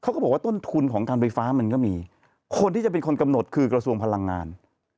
ก็บอกว่าต้นทุนของการไฟฟ้ามันก็มีคนที่จะเป็นคนกำหนดคือกระทรวงพลังงาน